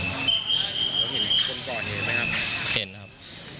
แล้วเห็นคนก่อนเห็นไหมครับ